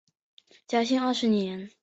嘉庆二十年。